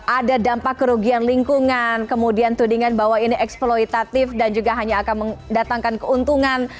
ada dampak kerugian lingkungan kemudian tudingan bahwa ini eksploitatif dan juga hanya akan mendatangkan keuntungan